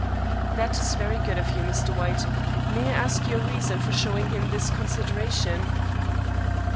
"That is very good of you, Mr. White. May I ask your reason for showing him this consideration?"